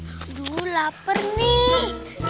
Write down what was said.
aduh lapar nih